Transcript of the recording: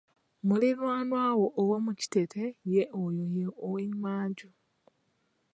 Muliranwawo owomukitete ye oyo ow'emmanju